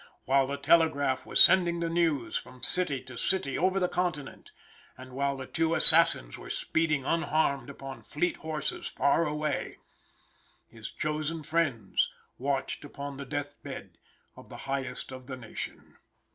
while the telegraph was sending the news from city to city over the continent, and while the two assassins were speeding unharmed upon fleet horses far away his chosen friends watched about the death bed of the highest of the nation.